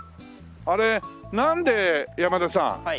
あれなんで山田さん